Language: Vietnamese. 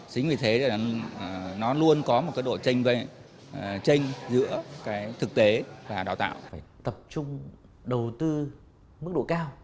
chính vì thế nó luôn có một độ tranh giữa thực tế và đào tạo